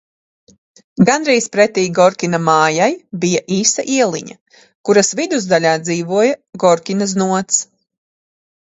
Gandrīz pretī Gorkina mājai bija īsa ieliņa, kuras vidus daļā dzīvoja Gorkina znots.